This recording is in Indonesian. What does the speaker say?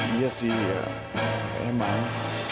iya sih ya emang